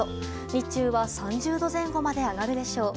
日中は３０度前後まで上がるでしょう。